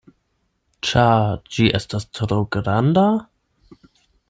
Ĉar ĝi estas tro granda?